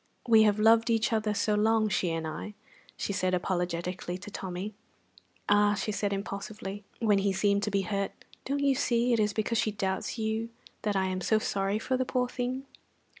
"We have loved each other so long, she and I," she said apologetically to Tommy. "Ah," she said impulsively, when he seemed to be hurt, "don't you see it is because she doubts you that I am so sorry for the poor thing!"